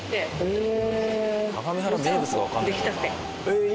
へえ！